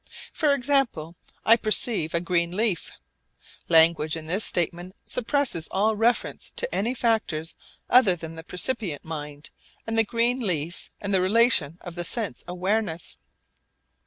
For example, I perceive a green leaf. Language in this statement suppresses all reference to any factors other than the percipient mind and the green leaf and the relation of sense awareness.